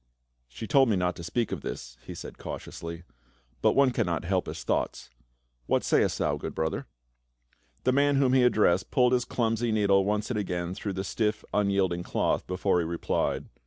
" She told me not to speak of this," he said cautiously, " but one cannot help his thoughts ; what sayst thou, good brother?" The man whom he addressed pulled his clumsy needle once and again through the stiff unyielding cloth before he replied.